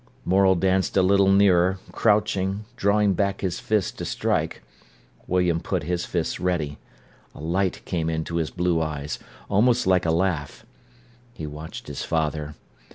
Morel danced a little nearer, crouching, drawing back his fist to strike. William put his fists ready. A light came into his blue eyes, almost like a laugh. He watched his father.